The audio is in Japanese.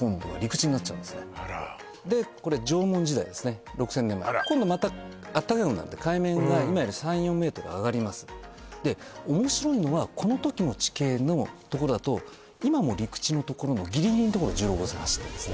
これ縄文時代ですね６０００年前今度また暖かくなるんで海面が今より３４メートル上がりますでおもしろいのはこの時の地形のとこだと今も陸地のところのギリギリのところを１６号線走ってるんですね